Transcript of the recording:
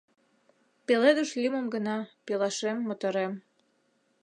Пеледыш лӱмым гына, пелашем-моторем...